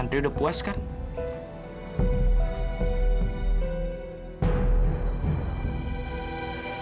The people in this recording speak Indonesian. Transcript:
aku juga geger dia